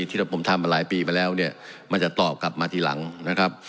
ที่ผมทำมาหลายปีมาแล้วเนี่ยมันจะตอบกลับมาทีหลังนะครับ